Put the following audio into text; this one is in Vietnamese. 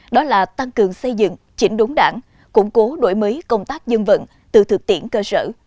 đó là tăng cường xây dựng chỉnh đốn đảng củng cố đổi mới công tác dân vận từ thực tiễn cơ sở